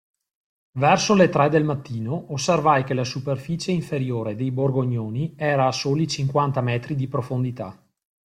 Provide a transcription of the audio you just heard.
Verso le tre del mattino osservai che la superficie inferiore dei borgognoni era a soli cinquanta metri di profondità.